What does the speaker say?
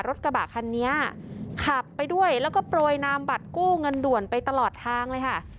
รถกระบะคันนี้ขับไปด้วยแล้วก็โปรยนามบัตรกู้เงินด่วนไปตลอดทางเลยค่ะ